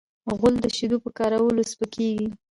غول د شیدو په کارولو سپکېږي.